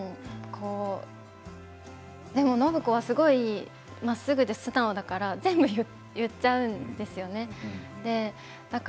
でも暢子はすごいまっすぐで素直だから全部、言っちゃうんですよね。